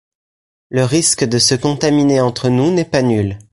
Le risque de se contaminer entre nous n'est pas nul.